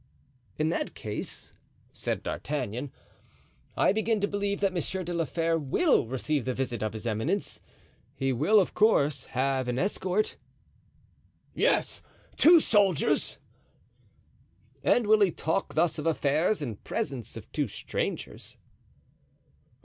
"In that case," said D'Artagnan, "I begin to believe that Monsieur de la Fere will receive the visit of his eminence; he will, of course, have an escort." "Yes—two soldiers." "And will he talk thus of affairs in presence of two strangers?"